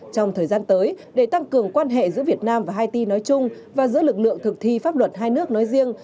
trong thời gian tới để tăng cường quan hệ giữa việt nam và haiti nói chung và giữa lực lượng thực thi pháp luật hai nước nói riêng